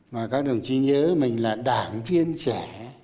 mà các đồng chí nhớ mình là đảng viên trẻ